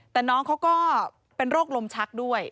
แต่น้องเขาก็เป็นโรคลมชักด้วย